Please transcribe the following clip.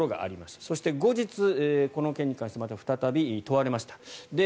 そして後日、この件に関して再び問われました。